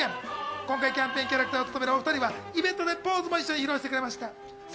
今回キャンペーンキャラクターを務めるお２人はイベントでポーズも披露してくれました。